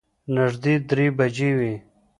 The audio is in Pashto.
نږدې درې بجې وې.